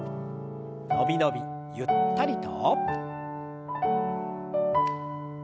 伸び伸びゆったりと。